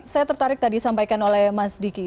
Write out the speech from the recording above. saya tertarik tadi sampaikan oleh mas diki